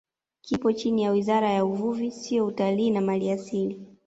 Kipo chini ya Wizara ya Uvuvi Sio Utalii na Maliasili